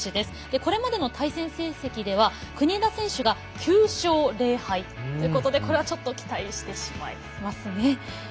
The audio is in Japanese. これまでの対戦成績では国枝選手が９勝０敗ということでこれはちょっと期待してしまいますね。